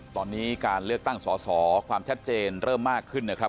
ตอนนี้การเลือกตั้งสอสอความชัดเจนเริ่มมากขึ้นนะครับ